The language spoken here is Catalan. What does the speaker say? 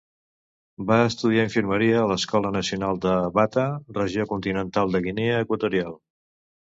Va estudiar infermeria a l'Escola Nacional de Bata, Regió Continental de Guinea Equatorial.